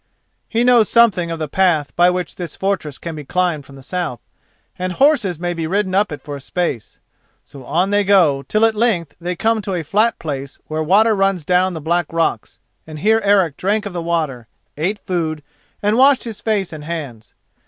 He knows something of the path by which this fortress can be climbed from the south, and horses may be ridden up it for a space. So on they go, till at length they come to a flat place where water runs down the black rocks, and here Eric drank of the water, ate food, and washed his face and hands.